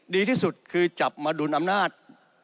ดีที่สุดคือจับมาดุลอำนาจ